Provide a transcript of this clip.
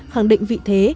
khẳng định vị thế